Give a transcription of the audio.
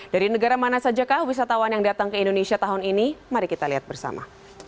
dari negara mana saja kah wisatawan yang datang ke indonesia tahun ini mari kita lihat bersama